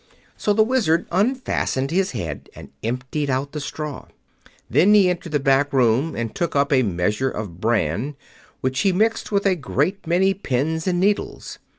So the Wizard unfastened his head and emptied out the straw. Then he entered the back room and took up a measure of bran, which he mixed with a great many pins and needles.